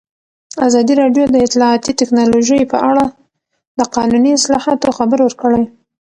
ازادي راډیو د اطلاعاتی تکنالوژي په اړه د قانوني اصلاحاتو خبر ورکړی.